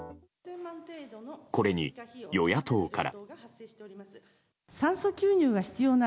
これに与野党から。